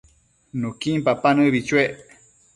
Nuquin papa nëbi chuec